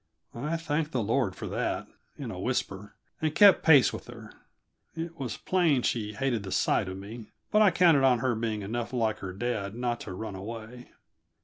I thanked the Lord for that, in a whisper, and kept pace with her. It was plain she hated the sight of me, but I counted on her being enough like her dad not to run away.